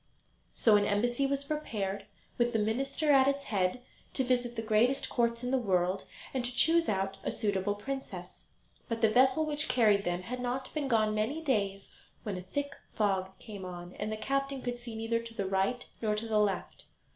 So an embassy was prepared, with the minister at its head, to visit the greatest courts in the world, and to choose out a suitable princess. But the vessel which carried them had not been gone many days when a thick fog came on, and the captain could see neither to the right nor to the left.